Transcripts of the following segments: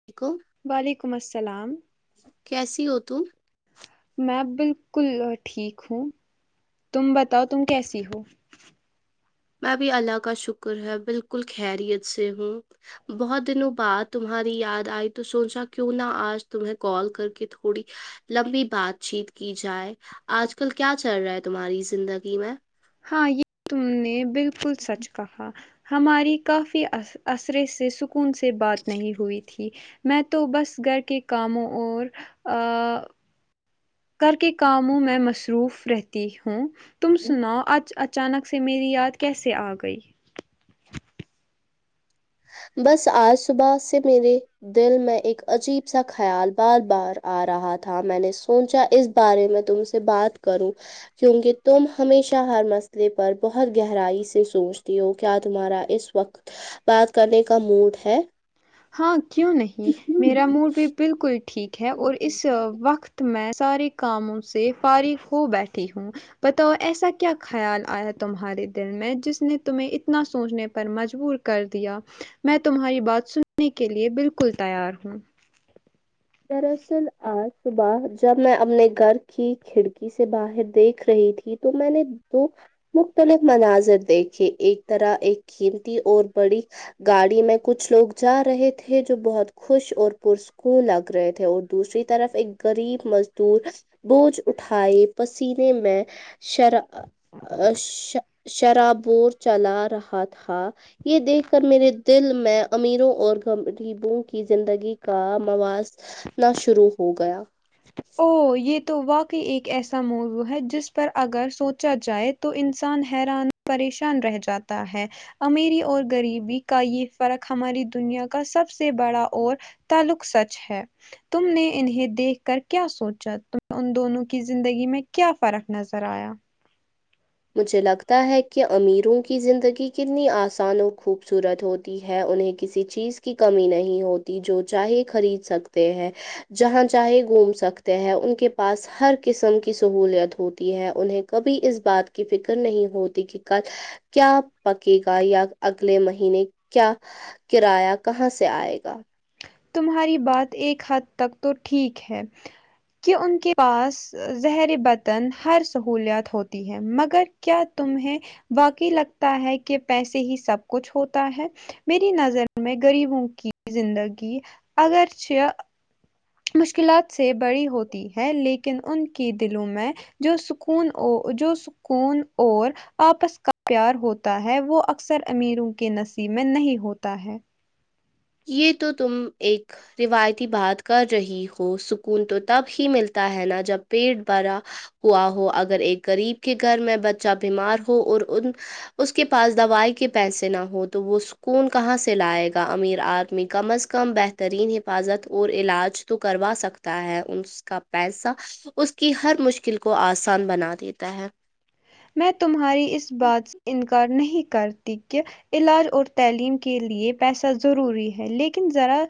[unintelligible] وعلیکم السلام کیسی ہو تم میں بالکل ٹھیک ہوں تم بتاؤ تم کیسی ہو میں بھی اللہ کا شکر ہے بالکل خیریت سے ہوں بہت دنوں بعد تمہاری یاد آئی تو سوچا کیوں نہ آج تمہیں کال کر کے تھوڑی لمبی بات چیت کی جائے آج کل کیا چل رہا ہے تمہاری زندگی میں ہاں یہ تم نے بالکل سچ کہا ہماری کافی عصرے سے سکون سے بات نہیں ہوئی تھی میں تو بس گھر کے کاموں اور آ گھر کے کاموں میں مصروف رہتی ہوں تم سناؤ اج اچانک سے میری یاد کیسے آ گئی بس آج صبح سے میرے دل میں ایک عجیب سا خیال بار بار آ رہا تھا میں نے سوچا اس بارے میں تم سے بات کروں کیونکہ تم ہمیشہ ہر مسئلے پر بہت گہرائی سے سوچتی ہو کیا تمہارا اس وقت بات کرنے کا موڈ ہے ہاں کیوں نہیں میرا موڈ بھی بالکل ٹھیک ہے اور اس وقت میں سارے کاموں سے فارغ ہو بیٹھی ہوں بتاؤ ایسا کیا خیال آیا تمہارے دل میں جس نے تمیں اتنا سوچنے پر مجبور کر دیا میں تمہاری بات سننے کے لیے بالکل تیار ہوں دراصل آج صبح جب میں اپنے گھر کی کھڑکی سے باہر دیکھ رہی تھی تو میں نے دو مختلف مناظر دیکھے ایک طرح ایک قیمتی اور بڑی گاڑی میں کچھ لوگ جا رہے تھے جو بہت خوش اور پرسکون لگ رہے تھے اور دوسری طرف ایک غریب مزدور بوجھ اٹھائے پسینے میں شرا شرا شرابور چلا رہا تھا یہ دیکھ کر میرے دل میں امیروں اور غریبوں کی زندگی کا مواز نا شروع ہو گیا او یہ تو واقعی ایک ایسا موضوع ہے جس پر اگر سو چا جائے تو انسان حیران پریشان رہ جاتا ہے امیری اور غریبی کا یہ فرق ہماری دنیا کا سب سے بڑا اور تعلق سچ ہے تم نے انہیں دیکھ کر کیا سوچا تم ان دونوں کی زندگی میں کیا فرق نظر آیا مجھے لگتا ہے کہ امیروں کی زندگی کتنی آسان اور خوبصورت ہوتی ہے انہیں کسی چیز کی کمی نہیں ہوتی جو چاہے خرید سکتے ہیں جہاں چاہے گھوم سکتے ہیں ان کے پاس ہر قسم کی سہوولت ہوتی ہے انہیں کبھی اس بات کی فکر نہیں ہوتی کہ کل کیا پکے گا یا اگلے مہینے کیا کرایہ کہاں سے آئے گا تمہاری بات ایک حد تک تو ٹھیک ہے کہ ان کے پاس زہر وتان ہر سہولیات ہوتی ہے مگر کیا تمیں واقعی لگتا ہے کہ پیسے ہی سب کچھ ہوتا ہے میری نظر میں غریبوں کی زندگی اگرچہ مشکلات سے بڑی ہوتی ہے لیکن ان کی دلوں میں جو سکون اور جو سکون اور آپس کا پیار ہوتا ہے وہ اکثر امیروں کے نصیب میں نہیں ہوتا ہے یہ تو تم ایک روایتی بات کر رہی ہو سکون تو تب ہی ملتا ہے نا جب پیٹ بھرا ہوا ہوا اگر ایک غریب کے گھر میں بچہ بیمار ہو اور ان اس کے پاس دوائی کے پیسے نہ ہو تو وہ سکون کہاں سے لائے گا امین آدمی کم از کم بہترین حفاظت اور علاج تو کروا سکتا ہے ان سے اس کا پیسہ اس کی ہر مشکل کو آسان بنا دیتا ہے میں تمہاری اس بات سے انکار نہیں کرتی کہ علاج اور تعلیم کے لیے پیسہ ضروری ہے لیکن ذرا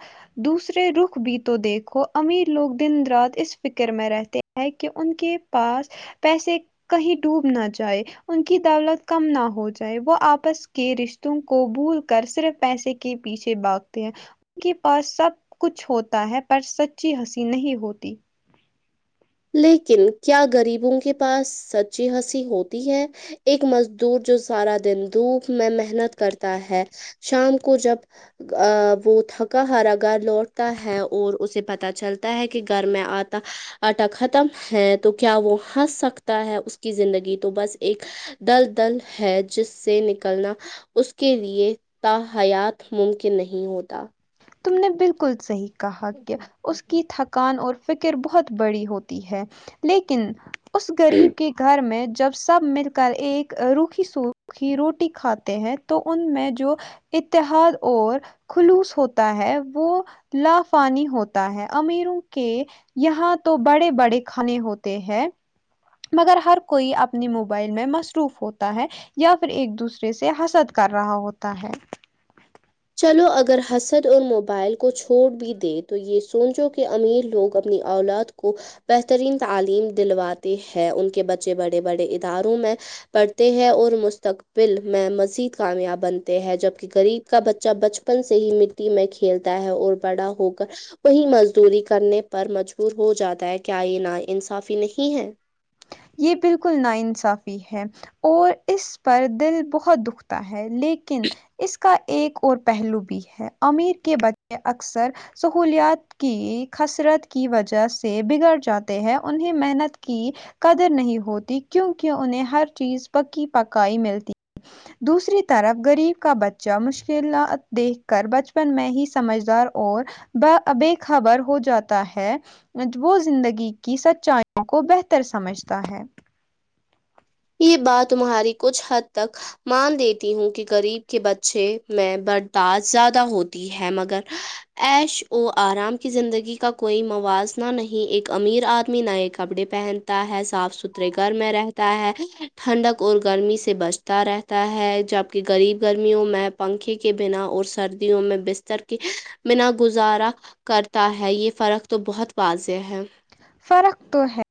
دوسرے رخ بھی تو دیکھو امیر لوگ دن رات اس فکر میں رہتے ہے کہ ان کے پاس پیسے کہیں ڈوب نہ د جائے ان کی دولت کم نہ ہو جائے وہ آپس کے رشتوں کو بھول کر صرف پیسے کے کے پیچھے باگتے ہیں ان کے پاس سب کچھ ہوتا ہے پر سچی ہنسی نہیں ہوتی لیکن کیا غریبوں کے پاس سچی ہنسی ہوتی ہے ایک مزدور جو سارا دن دھوپ میں محنت کرتا ہے شام کو جب وہ تھکا ہرا گھر لوٹتا ہے اور اسے پتہ چلتا ہے کہ گھر میں آتا آٹا ختم ہے تو کیا وہ ہنس سکتا ہے اس کی زندگی تو بس ایک دل دل ہے جس سے نکلنا اس کے لیے تا حیات ممکن نہیں ہوتا تم نے بالکل صحیح کہا کہ اس کی تھک کان اور فکر بہت بڑی ہوتی ہے لیکن اس غریب کے گھر میں جب سب مل کر ایک روکھی سوکھی روٹی کھاتے ہیں تو ان میں جو اتحاد اور خلوص ہوتا ہے وہ لافانی ہوتا ہے امیروں کے یہاں تو بڑے بڑے کھانے ہوتے ہیں مگر ہر کوئی اپنی موبائل میں مصروف ہوتا ہے یا پھر ایک دوسرے سے حسد کر رہا ہوتا ہے چلو اگر حسد اور موبائل کو چھوڑ بھی دے تو یہ سوچو کہ امیر لوگ اب اپنی اولاد کو بہترین تعلیم دلواتے ہیں ان کے بچے بڑے بڑے اداروں میں پڑھتے ہیں اور مستقبل میں مزید کامیاب بنتے ہیں جبکہ غریب کا بچہ بچپن سے ہی مٹی میں کھیلتا ہے اور بڑا ہو کر وہی مزدوری کرنے پر مجبور ہو جاتا ہے کیا یہ نا انصافی نہیں ہے یہ بالکل نا انصافی ہے اور اس پر دل بہت دکھ ہے لیکن اس کا ایک اور پہلو بھی ہے امیر کے بچے اکثر سہولیات کی خسرت کی وجہ سے بگڑ جاتے ہیں انہیں محنت کی قدر نہیں ہوتی کیونکہ انہیں ہر چیز پکی پکائی ملتی دوسری طرف غریب کا بچہ مشکلات دیکھ کر بچپن میں ہی سمجھدار اور با بے خبر ہو جاتا ہے مج وہ زندگی کی سچائیوں کو بہتر سمجھتا ہے یہ بات تمہاری کچھ حد تک مان دیتی ہوں کہ غریب کے بچے میں برداشت زیادہ ہوتی ہے مگر ایش او ارام کی زندگی کا کوئی موازنہ نہیں ایک امیر ادمی نائے کپڑے پہن تا ہے صاف ستھرے گھر میں رہتا ہے ٹھنڈک اور گرمی سے بچتا رہتا ہے جبکہ غریب گرمیوں میں پنکھے کے بنا اور سردیوں میں بستر کے بنا گزارا کرتا ہے یہ فرق تو بہت واضح ہے فرق تو ہے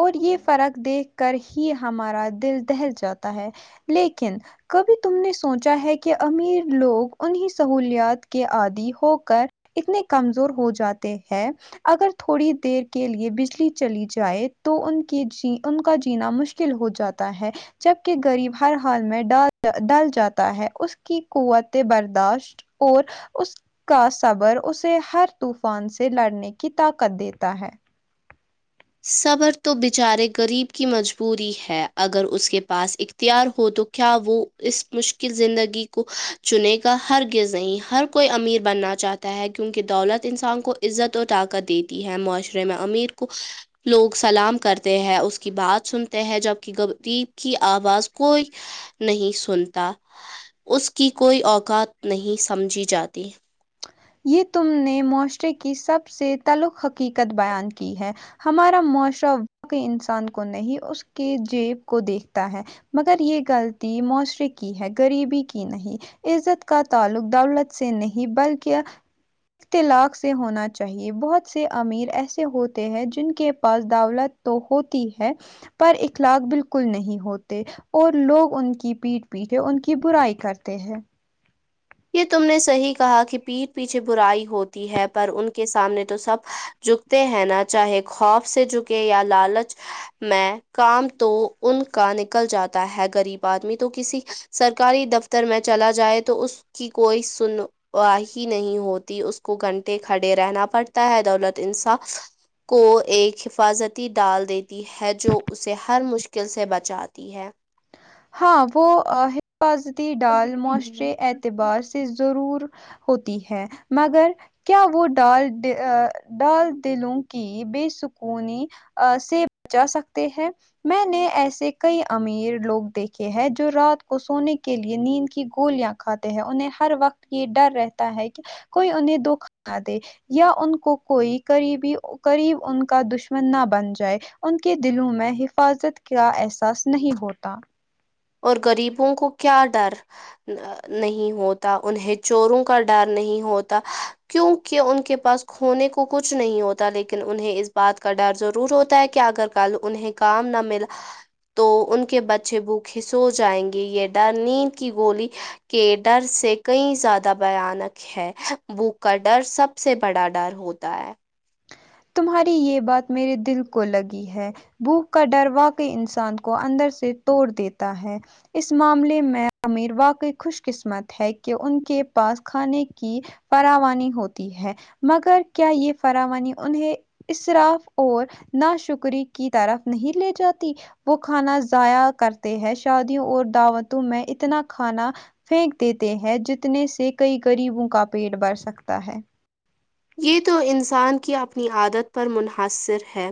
اور یہ فرق دیکھ کر ہی ہمارا دل دہل جاتا ہے لیکن کبھی تم نے سوچا ہے کہ امیر لوگ انہیں سہولیات کے عادی ہو کر اتنے کمزور ہو جاتے ہیں اگر تھوڑی دیر کے لیے بجلی چلی جائے تو ان کے جی ان کا جینا مشکل ہو جاتا ہے جبکہ غریب ہر حال میں ڈال ڈل جاتا ہے اس کی قوت برداشت اور اس کا صبر اسے ہر طوفان سے لڑنے کی طاقت دیتا ہے صبر تو بچارے غریب کی مجبوری ہے اگر اس کے پاس ا تیار ہو تو کیا وہ اس مشکل زندگی کو چنے گا ہر غزنہیں ہر کوئی امیر بننا چاہتا ہے کیونکہ دولت انسان کو عزت اور طاقت دیتی ہے معاشرے میں امیر کو لوگ سلام کرتے ہیں اس کی بات سنتے ہیں جب کہ غریب کی آواز کوئی نہیں سنتا اس کی کوئی اوقات نہیں سمجھی جاتی یہ تم نے معاشرے کی سب سے تلق حقیقت بیان کی ہے ہمارا معاشرہ واقی انسان کو نہیں اس کے جیب کو دیکھتا ہے مگر یہ غلطی معاشرے کی ہے غریبی کی نہیں عزت کا تعلق دولت سے نہیں بلکہ اطلاق سے ہونا چاہیے بہت سے امیر ایسے ہوتے ہیں جن کے پاس دولت تو ہوتی ہے پر اخلاق بالکل نہیں ہوتے اور لوگ ان کی پیٹ پیچھے ان کی برائی کرتے ہیں یہ تم نے صحیح کہا کہ پیٹھ پیچھے برائی ہوتی ہے پر ان کے سامنے تو سب جھکتے ہیں نا چاہے خوف سے جھکے یا لالچ میں کام تو ان کا نکل جاتا ہے غریب ادمی تو کسی سرکاری دفتر میں چلا جائے تو اس کی کوئی سن و ہی نہیں ہوتی اس کو گھنٹے کھڑے رہنا پڑتا ہے دولت انصاف کو ایک حفاظتی ڈال دیتی ہے جو اسے ہر مشکل سے بچات تی ہے ہاں وہ حفاظتی ڈال معاشرے اعتبار سے ضرور ہوتی ہے مگر کیا وہ ڈال ڈال دلوں کی بے سکونی سے بچا سکتے ہیں میں نے ایسے کئی امیر لوگ دیکھے ہیں جو رات کو سونے کے لیئے نیند کی گولیاں کھاتے ہیں انہیں ہر وقت یہ ڈر رہتا ہے کہ کوئی انہیں دھوکا نہ دے یا ان کو کوئی قریبی قریب ان کا دشمن نہ بن جائے ان کے دلوں میں حفاظت کا احساس نہیں ہوتا اور غریبوں کو کیا ڈر نہیں ہوتا انہیں چوروں کا ڈر نہیں ہوتا کیونکہ ان کے پاس کھونے کو کچھ نہیں ہوتا لیکن انہیں اس بات کا ڈر ضرور ہوتا ہے کہ اگر کل انہیں کام نہ ملا تو ان کے بچے بھوک کھسو جائیں گے یہ ڈر نیند کی گولی کے ڈر سے کئی زیادہ بھیانک ہیں ہے وہ کا ڈر سب سے بڑا ڈر ہوتا ہے تمہاری یہ بات میرے دل کو لگی ہے بھوک کا ڈر واقع انسان کو اندر سے توڑ دیتا ہے اس معاملے میں امیر واقعی خوش قسمت ہے کہ ان کے پاس کھانے کی فراوانی ہوتی ہے مگر کیا یہ فراوانی انہیں اسراف اور نا شکری کی طرف نہیں لے جاتی وہ کھانا ضائع کرتے ہیں شادیوں اور دعوتوں میں اتنا کھانا پھینک دیتے ہیں جتنے سے کئی گغریبوں کا پیٹ بھر سکتا ہے یہ تو انسان کی اپنی عادت پر منحصر ہے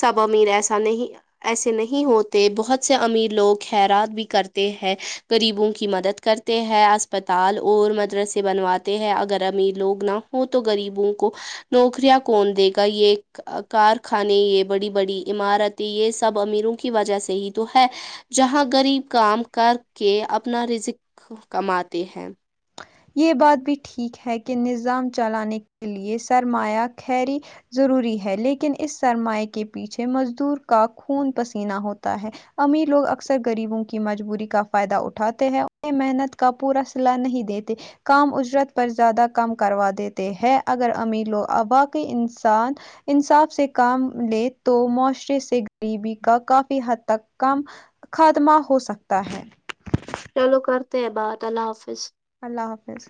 سب امیر ایسا نہیں ایسے نہیں ہوتے بہت سے امیر لوگ خیرات بھی کرتے ہیں غریبوں کی مدد کرتے ہیں اسپتال اور مدرسے بنواتے ہیں اگر امیر لوگ نہ ہو تو گغریبوں کو نوکریاں کون دے گا یہ کارخانے یہ بڑی بڑی عمارتیں یہ سب امیروں کی وجہ سے ہی تو ہے جہاں غریب کام کر کے اپنا رذک کماتے ہیں یہ بات بھی ٹھیک ہے کہ نظام چلانے کے لیے سرمایہ خیری ضروری ہے لیکن اس سرمائے کے پیچھے مزدور کا خون پسینہ ہوتا ہے امیر لوگ اکثر غریبوں کی مجبوری کا فائدہ اٹھاتے ہیں انیں محنت کا پورا صلاح نہیں دیتے کام اجرت پر زیادہ کم کروا دیتے ہیں اگر امیروں ا باقی انسان انصاف سے کام لے تو معاشرے سے غریبی کا کافی حد تک کام خاتمہ ہو سکتا ہے چلو کرتے ہیں بات اللہ حافظ اللہ حافظ